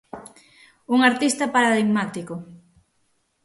Un artista paradigmático.